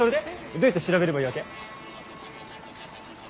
どうやって調べればいいわけ？